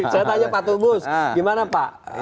saya tanya pak trubus gimana pak